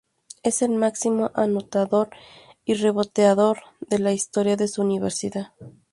Es el máximo anotador y reboteador de la historia de su universidad.